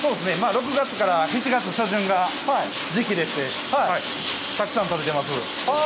６月から７月初旬が時期でして、たくさん取れてます。